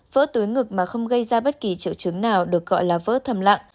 vỡ túi ngực mà không gây ra bất kỳ triệu chứng nào được gọi là vỡ thầm lặng